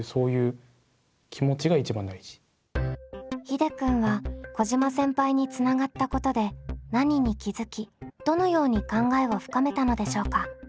ひでくんは小嶋先輩につながったことで何に気付きどのように考えを深めたのでしょうか。